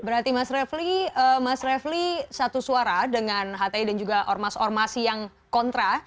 berarti mas refli satu suara dengan hti dan juga or mas ormasi yang kontra